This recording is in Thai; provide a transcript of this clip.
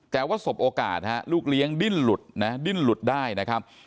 แต่ว่าสบโอกาสฮะลูกเลี้ยงดิ้นหลุดนะดิ้นหลุดได้นะครับ